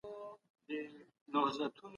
هېڅکله هڅه مه کوئ چې د بل چا لیکنې پټې کړئ.